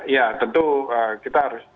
ya tentu kita harus